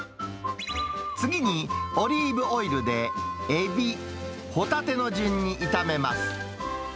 次に、オリーブオイルでエビ、ホタテの順に炒めます。